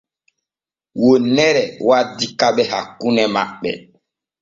Wonnere waddi keɓe hakkune maɓɓe.